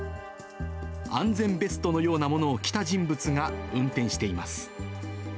安全ベストのようなものを着た人物が運転しています。